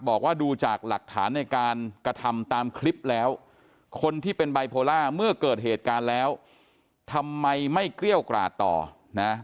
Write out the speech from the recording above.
บอกว่าดูจากหลักฐานในการกระทำตามคลิปแล้วคนที่เป็นไบโพล่าเมื่อเกิดเหตุการณ์แล้วทำไมไม่เกรี้ยวกราดต่อนะ